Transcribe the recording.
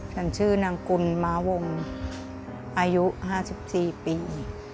ฉันชื่อนางกุลม้าวงอายุ๕๔ปี